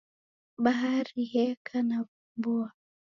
Bahari yeka na w'umboa.